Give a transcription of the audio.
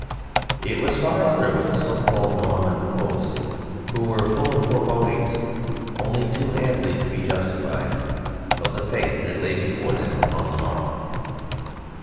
It was far other with the so called "Norman" host, who were full of forebodings only too amply to be justified of the fate that lay before them upon the morrow.